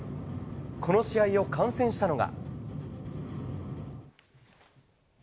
この試合を観戦したのが。